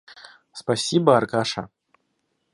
Спасибо, Аркаша.